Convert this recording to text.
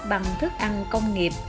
bằng thức ăn công nghiệp